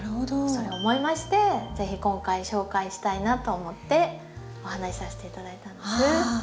それ思いまして是非今回紹介したいなと思ってお話しさせて頂いたんです。